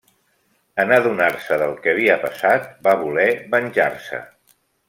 En adonar-se del que havia passat, va voler venjar-se.